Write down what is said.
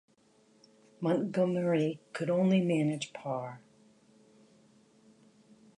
Montgomerie could only manage par.